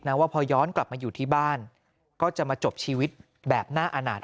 ว่าพอย้อนกลับมาอยู่ที่บ้านก็จะมาจบชีวิตแบบน่าอาณาจ